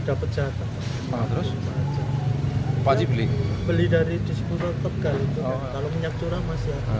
dapat jatuh terus pakcik beli beli dari disuruh tegak kalau minyak curah masih